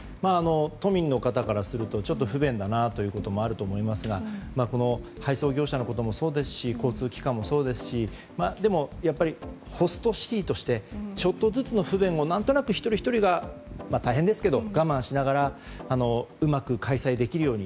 都民の方からするとちょっと不便だなということもあると思いますが配送業者のこともそうですし交通機関のこともそうですしでも、ホストシティーとしてちょっとずつの不便を一人ひとりが大変ですが我慢しながらうまく開催できるように。